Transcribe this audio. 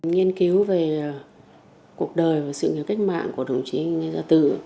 nghiên cứu về cuộc đời và sự nghiệp cách mạng của đồng chí ngô gia tự